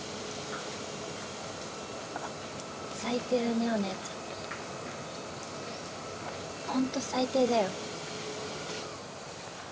「最低だねお姉ちゃんホント最低だよ」